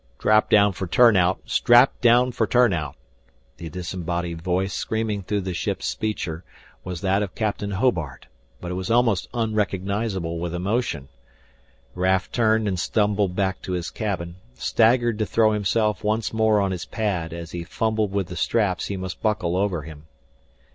"Strap down for turnout strap down for turnout !" The disembodied voice screaming through the ship's speecher was that of Captain Hobart, but it was almost unrecognizable with emotion. Raf turned and stumbled back to his cabin, staggered to throw himself once more on his pad as he fumbled with the straps he must buckle over him.